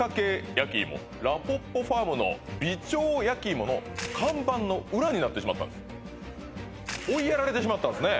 焼き芋らぽっぽファームの美腸やきいもの看板の裏になってしまったんです追いやられてしまったんですね